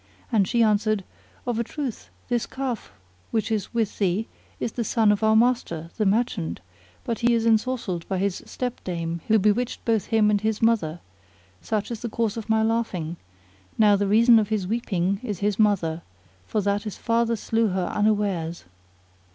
and she answered, Of a truth this calf which is with thee is the son of our master, the merchant; but he is ensorcelled by his stepdame who bewitched both him and his mother: such is the cause of my laughing; now the reason of his weeping is his mother, for that his father slew her unawares.